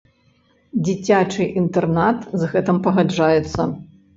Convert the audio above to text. Дзіцячы інтэрнат з гэтым пагаджаецца.